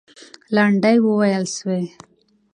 لنډۍ وویل سوې.